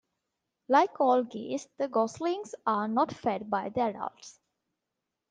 Like all geese, the goslings are not fed by the adults.